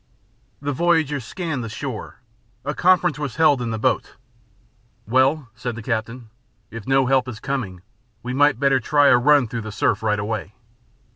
The voyagers scanned the shore. A conference was held in the boat. "Well," said the captain, "if no help is coming we might better try a run through the surf right away.